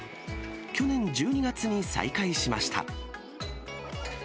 去年１２月に再開しました。